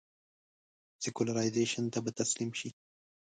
سیکولرایزېشن ته به تسلیم شي.